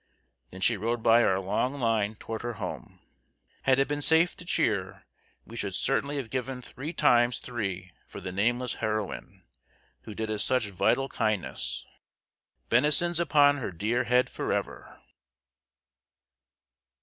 Then she rode by our long line toward her home. Had it been safe to cheer, we should certainly have given three times three for the NAMELESS HEROINE who did us such vital kindness. "Benisons upon her dear head forever!"